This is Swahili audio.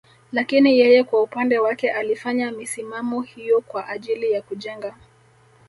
Lakini yeye kwa upande wake alifanya misimamo hiyo kwa ajili ya kujenga